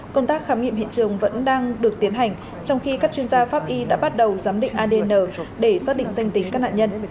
công tác khám nghiệm hiện trường vẫn đang được tiến hành trong khi các chuyên gia pháp y đã bắt đầu giám định adn để xác định danh tính các nạn nhân